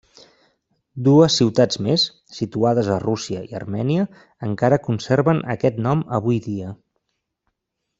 Dues ciutats més, situades a Rússia i Armènia, encara conserven aquest nom avui dia.